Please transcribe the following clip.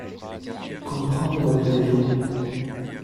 Comprendre la vie des gens.